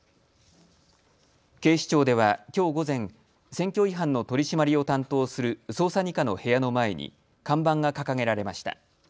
警視庁ではきょう午前、選挙違反の取締りを担当する捜査２課の部屋の前に看板が掲げられました。